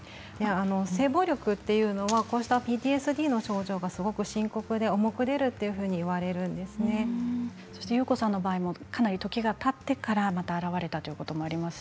性暴力というのはこうしたＰＴＳＤの症状がすごく深刻でユウコさんの場合もかなり時がたってからまた現れたということもあります